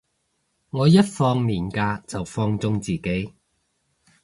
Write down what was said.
我一放連假就放縱自己